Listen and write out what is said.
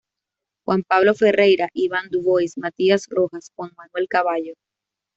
Juan Pablo Ferreyra, Iván Dubois, Matías Rojas, Juan Manuel Cavallo.